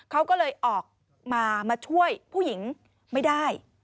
เขาก็เลยออกมามาช่วยผู้หญิงไม่ได้